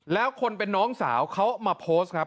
แล้วคนเป็นน้องสาวเขามาโพสต์ครับ